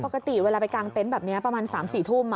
ปกติเวลาไปกางเต็นต์แบบนี้ประมาณ๓๔ทุ่ม